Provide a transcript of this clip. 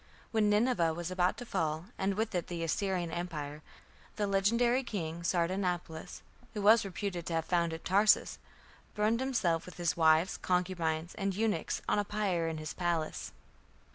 " When Nineveh was about to fall, and with it the Assyrian Empire, the legendary king, Sardanapalus, who was reputed to have founded Tarsus, burned himself, with his wives, concubines, and eunuchs, on a pyre in his palace.